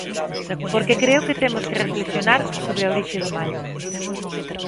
Porque creo que temos que reflexionar sobre a orixe do mal.